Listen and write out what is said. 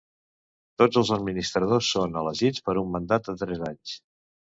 Tots els administradors són elegits per un mandat de tres anys.